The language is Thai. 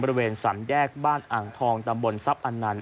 บริเวณสามแยกบ้านอ่างทองตำบลทรัพย์อันนั้น